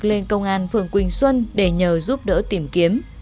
lên công an phường quỳnh xuân để nhờ giúp đỡ tìm kiếm